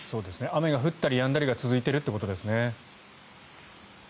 雨が降ったりやんだりが続いているということですね。